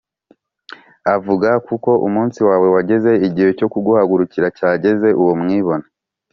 avuga kuko umunsi wawe wageze igihe cyo kuguhagurukira cyageze Uwo Mwibone